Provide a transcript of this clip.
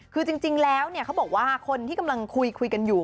คือจริงแล้วเขาบอกว่าคนที่กำลังคุยกันอยู่